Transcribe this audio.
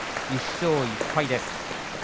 １勝１敗です。